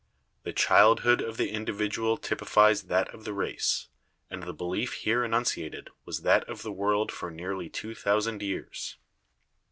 The childhood of the individual typifies that of the race, and the belief here enunciated was that of the world for nearly two thousand years."